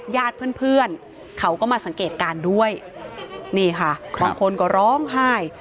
ญาติเพื่อนเพื่อนเขาก็มาสังเกตการณ์ด้วยนี่ค่ะบางคนก็ร้องไห้